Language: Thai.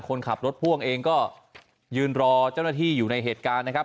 คนขับรถพ่วงเองก็ยืนรอเจ้าหน้าที่อยู่ในเหตุการณ์นะครับ